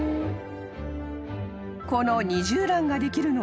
［この］